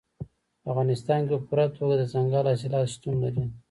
په افغانستان کې په پوره توګه دځنګل حاصلات شتون لري.